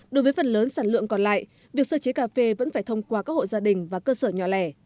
đối với phần lớn sản lượng còn lại việc sơ chế cà phê vẫn phải thông qua các hộ gia đình và cơ sở nhỏ lẻ